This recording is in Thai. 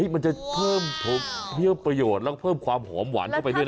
มันจะเพิ่มประโยชน์แล้วก็เพิ่มความหอมหวานเข้าไปด้วยนะ